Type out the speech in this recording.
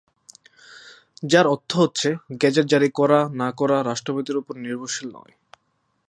যার অর্থ হচ্ছে গেজেট জারি করা না-করা রাষ্ট্রপতির ওপর নির্ভরশীল নয়।